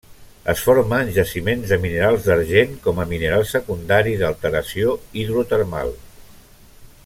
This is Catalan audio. Es forma en jaciments de minerals d'argent com a mineral secundari d'alteració hidrotermal.